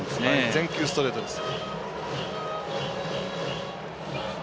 全球ストレートです。